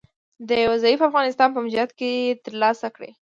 د یو ضعیفه افغانستان په موجودیت کې تر لاسه کړي